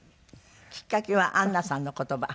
きっかけは安奈さんの言葉？